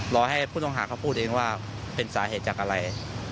รอให้ผู้ต้องหาเขาพูดเองว่าเป็นสาเหตุจากอะไร